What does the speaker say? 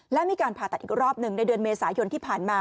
และมีการผ่าตัดอีกรอบหนึ่งในเดือนเมษายนที่ผ่านมา